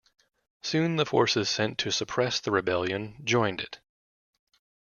Soon, the forces sent to suppress the rebellion joined it.